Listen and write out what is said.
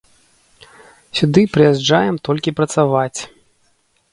Сюды прыязджаем толькі працаваць.